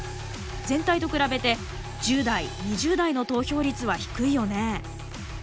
全体と比べて１０代２０代の投票率は低いよね。